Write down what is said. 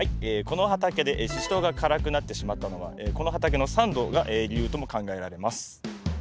この畑でシシトウが辛くなってしまったのはこの畑の酸度が理由とも考えられます。